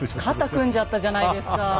肩組んじゃったじゃないですか。